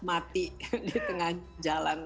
mati di tengah jalan